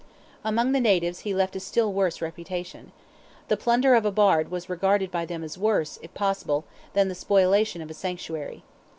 Among the natives he left a still worse reputation. The plunder of a bard was regarded by them as worse, if possible, than the spoliation of a sanctuary.